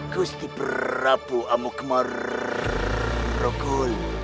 kusti berabu amukmerogul